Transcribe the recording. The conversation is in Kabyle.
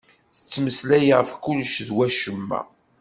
Nettmeslay ɣef kullec d wacemma.